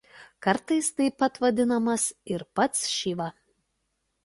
Kartais taip vadinamas ir pats Šiva.